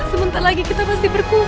sebentar lagi kita pasti berkumpul nak